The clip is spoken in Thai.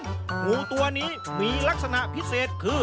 งูตัวนี้มีลักษณะพิเศษคือ